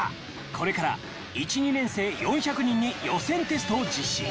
［これから１・２年生４００人に予選テストを実施］